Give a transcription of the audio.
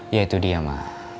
ya itu dia ma